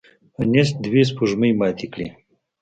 انیسټ دوه سپوږمۍ ماتې کړې.